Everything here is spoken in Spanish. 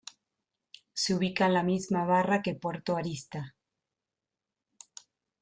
Se ubica en la misma barra que Puerto Arista.